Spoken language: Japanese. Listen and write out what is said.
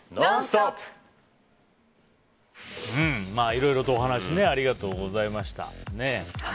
いろいろとお話ありがとうございました。